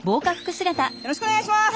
よろしくお願いします！